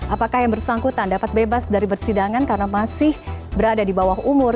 apakah yang bersangkutan dapat bebas dari bersidangan karena masih berada di bawah umur